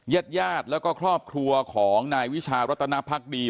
ญาติยาสและครอบครัวของนายวิชารัตนาภักดี